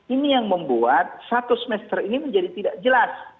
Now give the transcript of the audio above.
ini yang membuat satu semester ini menjadi tidak jelas